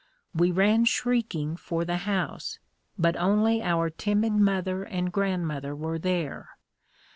We ran shrieking for the house but only our timid mother and grandmother were there.